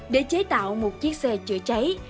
để chế tạo một chiếc xe chữa chảy